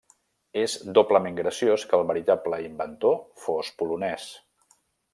És doblement graciós que el veritable inventor fos polonès.